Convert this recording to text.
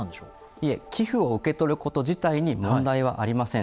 いえ寄付を受け取ること自体に問題はありません。